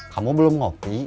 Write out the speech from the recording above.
kamu belum ngopi